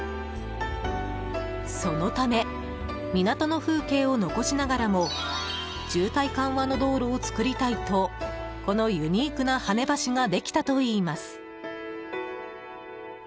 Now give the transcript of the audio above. そのため港の風景を残しながらも渋滞緩和の道路を造りたいとこのユニークな跳ね橋ができたといいます。